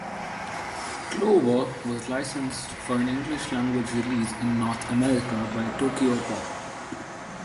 "Clover" was licensed for an English-language release in North America by Tokyopop.